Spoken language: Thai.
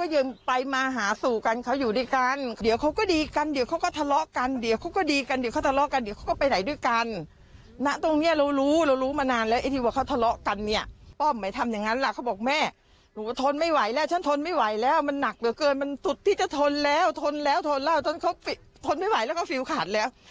เหลือเกินมันตุดที่จะทนแล้วทนแล้วทนแล้วตอนเขาทนไม่ไหวแล้วก็ฟิลขาดแล้ว